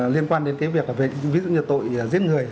liên quan đến cái việc ví dụ như tội giết người